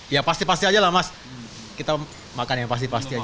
ya pasti pasti aja lah mas kita makan yang pasti pasti aja